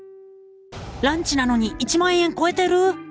ランチなのに１万円超えてる！